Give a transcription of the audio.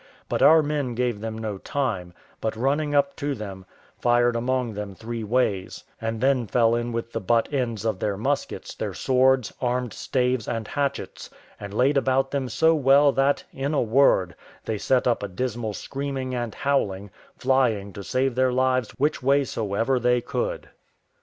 But our men gave them no time, but running up to them, fired among them three ways, and then fell in with the butt ends of their muskets, their swords, armed staves, and hatchets, and laid about them so well that, in a word, they set up a dismal screaming and howling, flying to save their lives which way soever they could.